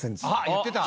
言ってた！